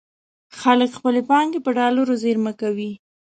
خلک خپلې پانګې په ډالرو زېرمه کوي.